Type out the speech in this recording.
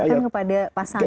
bahkan kepada pasangan